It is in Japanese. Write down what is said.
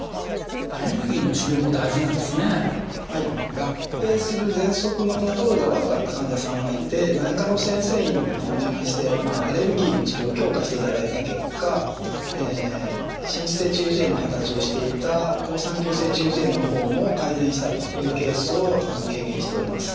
合併するぜんそくのコントロールが悪かった患者さんがいて内科の先生にお願いしてアレルギーの治療を強化していただいた結果滲出性中耳炎の形をしていた好酸球性中耳炎の方も改善したというケースを経験しております。